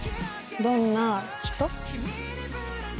どんな人？